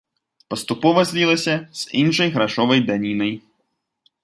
Паступова злілася з іншай грашовай данінай.